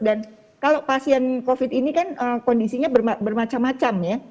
dan kalau pasien covid ini kan kondisinya bermacam macam ya